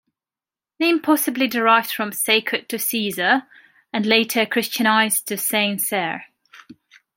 Name possibly derived from "Sacred to Caesar" and later Christianized to "Saint-Cere".